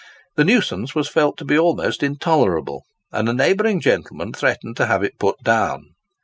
The nuisance was felt to be almost intolerable, and a neighbouring gentleman threatened to have it put down.